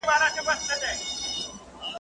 o پردی سپى، په ډوډۍ خپل.